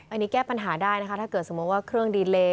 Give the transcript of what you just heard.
อันนี้แก้ปัญหาได้นะคะถ้าเกิดสมมุติว่าเครื่องดีเล